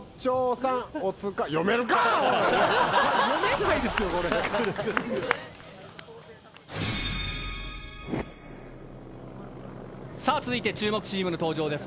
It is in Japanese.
さあ続いて注目チームの登場です。